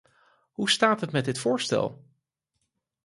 Hoe staat het met dit voorstel?